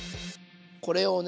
これをね